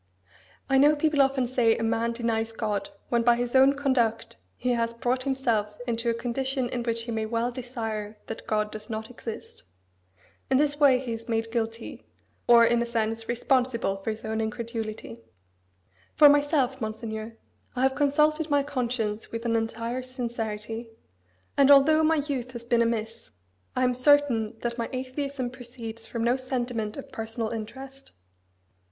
I know people often say, a man denies God when by his own conduct he has brought himself into a condition in which he may well desire that God does not exist. In this way he is made guilty, or, in a sense, responsible for his incredulity. For myself, Monseigneur, I have consulted my conscience with an entire sincerity; and although my youth has been amiss, I am certain that my atheism proceeds from no sentiment of personal interest.